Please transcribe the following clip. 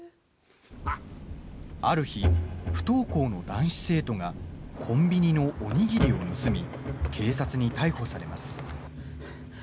ある日、不登校の男子生徒がコンビニのおにぎりを盗み警察に逮捕されます。